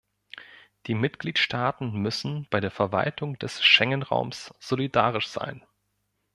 Die Mitgliedstaaten müssen bei der Verwaltung des Schengen-Raums solidarisch sein.